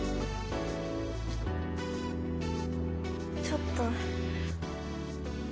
ちょっと。